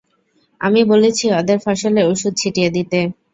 আমি বলেছি ওদের ফসলে ওষুধ ছিটিয়ে দিতে।